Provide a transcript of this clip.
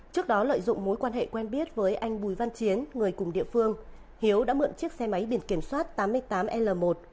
trước đó lợi dụng mối quan hệ quen biết với anh bùi văn chiến người cùng địa phương hiếu đã mượn chiếc xe máy biển kiểm soát tám mươi tám l một một mươi chín nghìn bảy trăm một mươi sáu